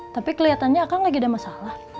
tapi kelihatannya akan lagi ada masalah